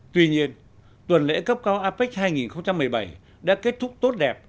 tuy nhiên tuần lễ cấp cao apec hai nghìn một mươi bảy đã kết thúc tốt đẹp